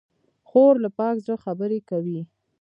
خور له پاک زړه خبرې کوي.